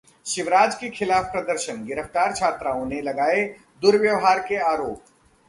शिवराज के खिलाफ प्रदर्शन, गिरफ्तार छात्राओं ने लगाए दुर्व्यवहार के आरोप